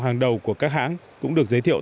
hàng đầu của các hãng cũng được giới thiệu